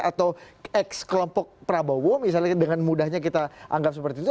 atau ex kelompok prabowo misalnya dengan mudahnya kita anggap seperti itu